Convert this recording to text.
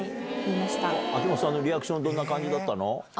秋元さんのリアクションどんな感じだったの？